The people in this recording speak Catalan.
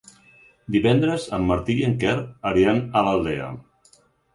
Divendres en Martí i en Quer aniran a l'Aldea.